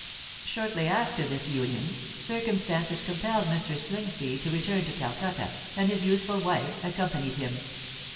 Shortly after this union, circumstances compelled Mr. Slingsby to return to Calcutta; and his youthful wife accompanied him.